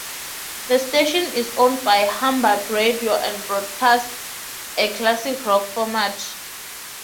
The station is owned by Hubbard Radio and broadcasts a classic rock format.